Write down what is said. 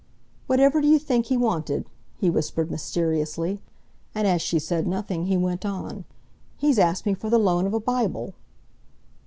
"Whatever d'you think he wanted?" he whispered mysteriously. And as she said nothing, he went on, "He's asked me for the loan of a Bible!"